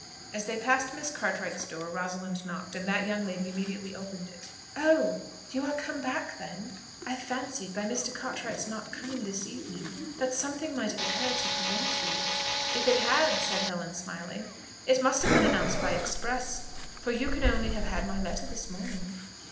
As they passed Miss Cartwright's door, Rosalind knocked, and that young lady immediately opened it. "Oh! you are come back then? I fancied, by Mr. Cartwright's not coming this evening, that something might have occurred to prevent you?" "If it had," said Helen, smiling, "it must have been announced by express, for you can only have had my letter this morning."